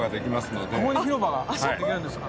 ここに広場ができるんですか？